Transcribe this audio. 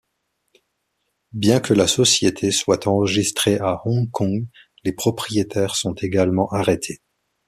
Bien que la société soit enregistrée à Hong Kong, les propriétaires sont également arrêtés.